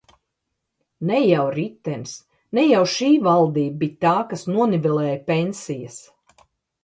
Ne jau Ritenis, ne jau šī valdība bija tā, kas nonivelēja pensijas.